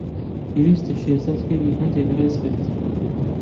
پێویستە شێرزاد فێری هەندێک ڕێز بێت.